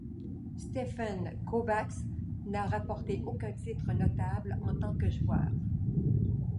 Ștefan Kovács n'a remporté aucun titre notable en tant que joueur.